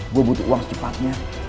gue butuh uang secepatnya